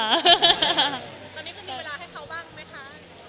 ตอนนี้คุณมีเวลาให้เขาบ้างไหมคะ